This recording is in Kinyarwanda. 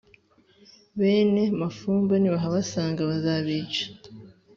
bene mafumba nibahabasanga bazabica